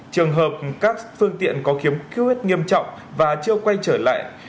trường hợp các phương tiện có khiếm khuyết nghiêm trọng và chưa quay trở lại